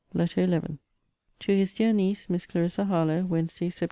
LETTER XI TO HIS DEAR NIECE, MISS CLARISSA HARLOWE WEDNESDAY, SEPT.